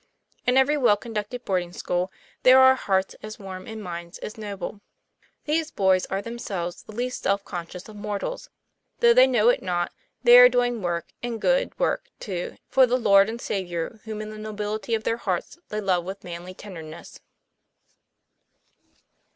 In every well conducted boarding school there are hearts as warm and minds as noble. These boys are themselves the least self conscious of mortals. Though they know it not, they are doing work, and good work, too, for the Lord and Saviour whom in the nobility of their hearts they love with manly tenderness.